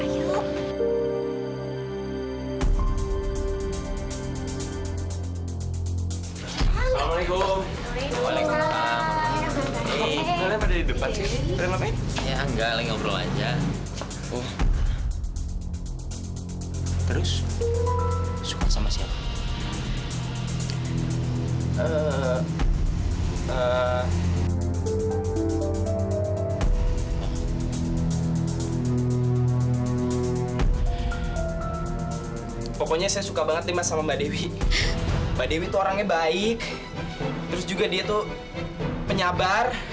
sampai jumpa di video selanjutnya